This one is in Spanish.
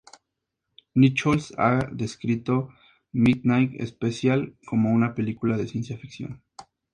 Nichols ha descrito "Midnight Special" como "una película de ciencia ficción".